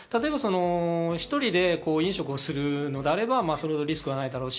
１人で飲食をするのであれば、リスクはそれほどないだろうし、